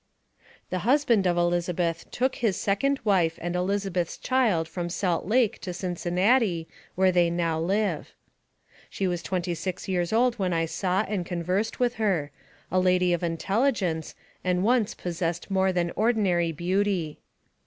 The husband of Elizabeth took his second wife and Elizabeth's child from Salt Lake to Cincinnati, where they now live. She was twenty six years old when I saw and con versed with her, a lady of intelligence, and once pos sessed more than ordinary beauty.